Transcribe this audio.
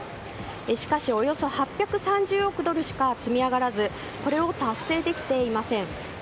しかし、およそ８３０億ドルしか積み上がらずこれを達成できていません。